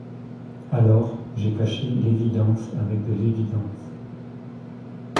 Alors j’ai caché l’évidence avec de l’évidence.